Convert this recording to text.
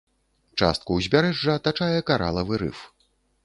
Частку ўзбярэжжа атачае каралавы рыф.